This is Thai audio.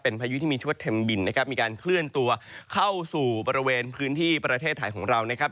พายุที่มีชื่อว่าเทมบินนะครับมีการเคลื่อนตัวเข้าสู่บริเวณพื้นที่ประเทศไทยของเรานะครับ